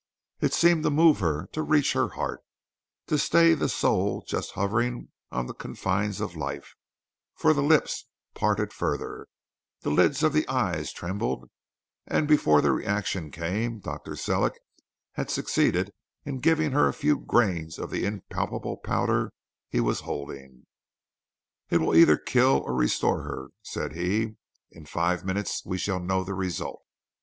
It seemed to move her, to reach her heart, to stay the soul just hovering on the confines of life, for the lips parted further, the lids of the eyes trembled, and before the reaction came, Dr. Sellick had succeeded in giving her a few grains of the impalpable powder he was holding. "It will either kill or restore her," said he. "In five minutes we shall know the result."